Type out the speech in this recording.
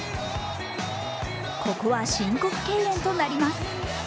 ここは申告敬遠となります。